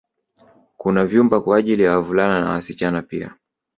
Kuna vyumba kwaajili ya wavulana na wasichana pia